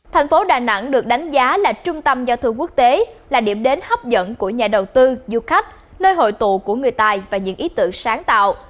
thành phố đà nẵng được đánh giá là trung tâm giao thương quốc tế là điểm đến hấp dẫn của nhà đầu tư du khách nơi hội tụ của người tài và những ý tưởng sáng tạo